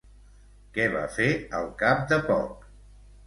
Què va fer al cap de poc?